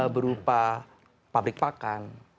berupa pabrik pakan